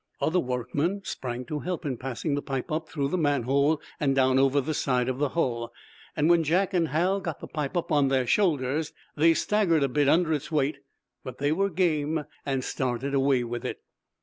Other workmen sprang to help in passing the pipe up through the manhole and down over the side of the hull. When Jack and Hal got the pipe up on their shoulders they staggered a bit under its weight. But they were game, and started away with it.